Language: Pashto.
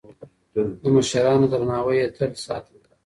د مشرانو درناوی يې تل ساته.